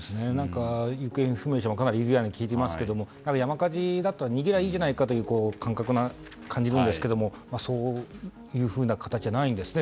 行方不明者もかなりいるように聞いていますが山火事だと逃げればいいじゃないかという感覚に感じるんですけどそういうふうな感じじゃないですよね。